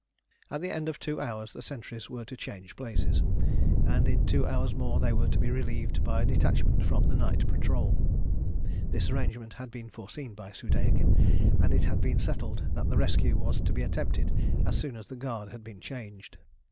At the end of two hours the sentries were to change places, and in two hours more they were to be relieved by a detachment from the night patrol. This arrangement had been foreseen by Soudeikin, and it had been settled that the rescue was to be attempted as soon as the guard had been changed.